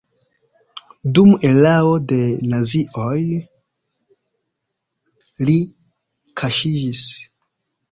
Dum erao de nazioj li kaŝiĝis.